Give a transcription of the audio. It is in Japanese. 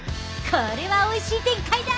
これはおいしい展開だ！